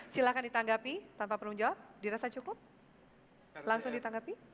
silahkan ditanggapi tanpa penuh jawab dirasa cukup langsung ditanggapi